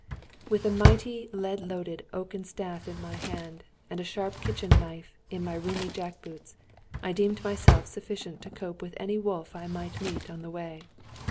With a mighty lead loaded oaken staff in my hand, and a sharp kitchen knife in my roomy jack boots, I deemed myself sufficient to cope with any wolf I might meet on the way.